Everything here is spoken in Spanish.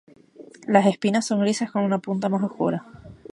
Los espinas son grises con una punta más oscura.